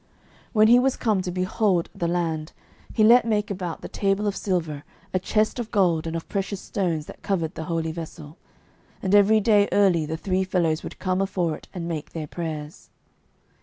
When he was come to behold the land, he let make about the table of silver a chest of gold and of precious stones that covered the holy vessel; and every day early the three fellows would come afore it and make their prayers.